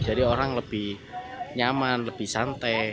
jadi orang lebih nyaman lebih santai